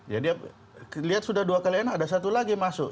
jadi dia lihat sudah dua kali enak ada satu lagi masuk